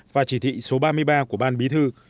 và chỉ thị số ba mươi ba của ban bí thư